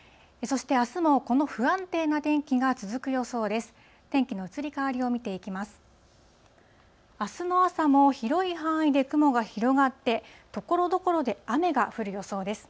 そしてあすもこの不安定な天気が続く予想です。